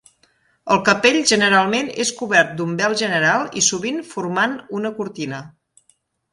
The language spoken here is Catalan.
El capell generalment és cobert d'un vel general i, sovint, formant una cortina.